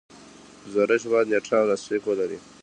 ګزارش باید نیټه او لاسلیک ولري.